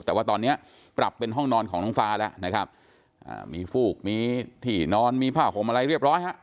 แต่ว่าตอนเนี้ยปรับเป็นห้องนอนของน้องฟ้าแล้วนะครับอ่ามีฟูกมีที่นอนมีผ้าห่มอะไรเรียบร้อยฮะ